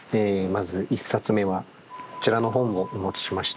まず１冊目はこちらの本をお持ちしました。